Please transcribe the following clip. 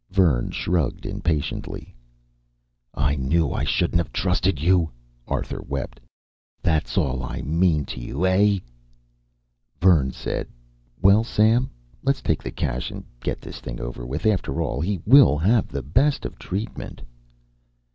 Vern shrugged impatiently. I KNEW I SHOULDNT HAVE TRUSTED YOU, Arthur wept. THATS ALL I MEAN TO YOU EH Vern said: "Well, Sam? Let's take the cash and get this thing over with. After all, he will have the best of treatment."